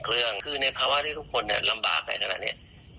คือในภาวะที่ทุกคนลำบากไหนกระดาษนี้